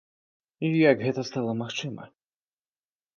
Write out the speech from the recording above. Як гэта стала магчыма?